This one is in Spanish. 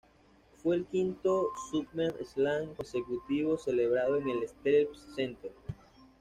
Fue el quinto "SummerSlam" consecutivo celebrado en el Staples Center.